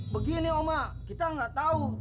begini oma kita nggak tahu